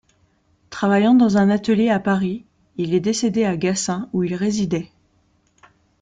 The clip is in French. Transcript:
Travaillant dans un atelier à Paris, il est décédé à Gassin où il résidait.